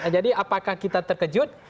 jadi apakah kita terkejut